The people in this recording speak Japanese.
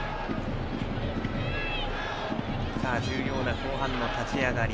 重要な後半の立ち上がり。